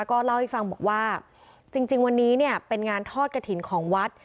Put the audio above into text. ก็เล่าให้ฟังบอกว่าจริงวันนี้เนี่ยเป็นงานทอดกระถิ่นของวัด